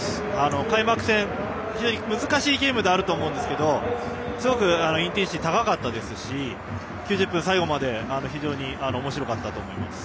開幕戦、非常に難しいゲームだと思うんですけどすごくインテンシティーが高かったですし９０分、最後まで非常におもしろかったと思います。